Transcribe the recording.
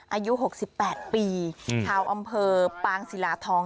อายุ๖๘ปีชาวอำเภอปางศิลาทอง